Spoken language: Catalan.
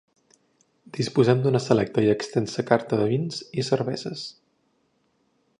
Disposem d'una selecta i extensa carta de vins i cerveses.